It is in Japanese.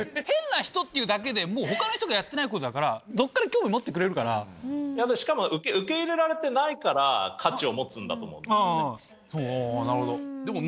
変な人っていうだけで、もうほかの人がやってないことだから、どっかで興味持ってくれるしかも、受け入れられてないから価値を持つんだと思うんですよね。